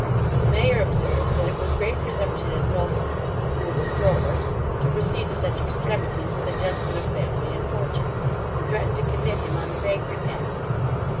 The mayor observed that it was great presumption in Wilson, who was a stroller, to proceed to such extremities with a gentleman of family and fortune; and threatened to commit him on the vagrant act.